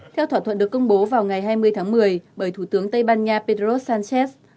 theo thỏa thuận được công bố vào ngày hai mươi tháng một mươi bởi thủ tướng tây ban nha pedro sánchez